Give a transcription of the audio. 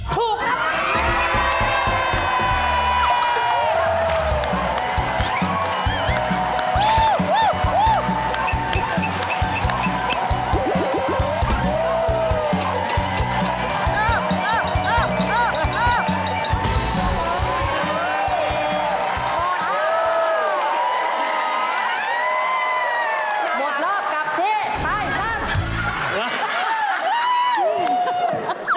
ถูกถูกถูกถูกถูก